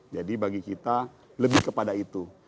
jadi bagi kita lebih kepada itu